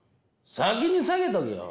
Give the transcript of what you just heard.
先に下げとけよ！